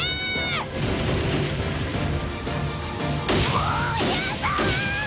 もうやだ！